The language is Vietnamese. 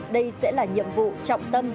đây sẽ là nhiệm vụ trọng tâm